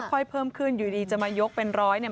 เพิ่มขึ้นอยู่ดีจะมายกเป็นร้อยเนี่ย